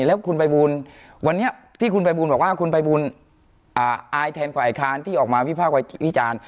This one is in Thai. แล้วคุณภัยบูลวันนี้ที่คุณภัยบูลบอกว่าคุณภัยบูลอายแทนฝ่ายค้านที่ออกมาวิภาควิจารณ์